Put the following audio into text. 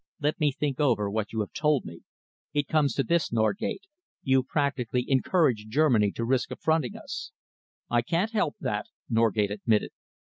"Let me think over what you have told me. It comes to this, Norgate. You've practically encouraged Germany to risk affronting us." "I can't help that," Norgate admitted.